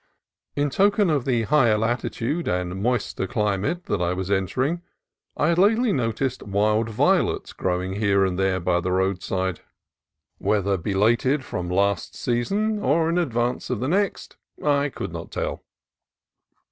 In token of the higher latitude and moister cli mate that I was entering I had lately noticed wild violets growing here and there by the roadside; 270 CALIFORNIA COAST TRAILS whether belated from last season or in advance of the next, I could not tell.